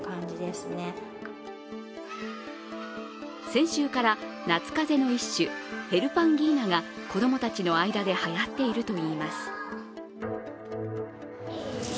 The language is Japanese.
先週から夏風邪の一種、ヘルパンギーナが子供たちの間ではやっているといいます。